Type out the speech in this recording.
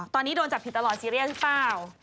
ตอนนี้โดนจับผิดตลอดซีเรียสหรือเปล่า